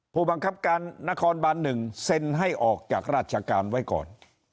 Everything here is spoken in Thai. ผู้บังคับการนครบาน๑เซ็นให้ออกจากราชการไว้ก่อน